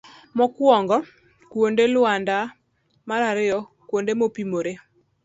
mokuongo. kuonde luanda. mar ariyo kuonde mopimore.